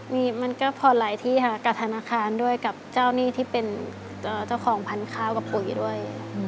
มันก็ผ่อนหลายที่ค่ะกับธนาคารด้วยกับเจ้าหนี้ที่เป็นเจ้าของพันธุ์ข้าวกับปุ๋ยด้วย